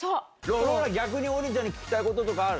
ローラ、逆に王林ちゃんに聞きたいこととかある？